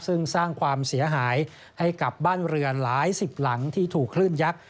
ซึ่งสร้างความเสียหายให้กับบ้านเรือนหลายสิบหลังที่ถูกคลื่นยักษ์